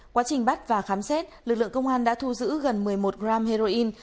quá trình bắt và khám xét lực lượng công an đã thu giữ gần một mươi một gram heroin